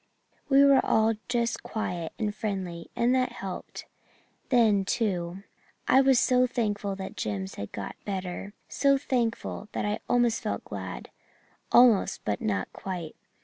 We were all just quiet and friendly, and that helped. Then, too, I was so thankful that Jims had got better so thankful that I almost felt glad almost but not quite.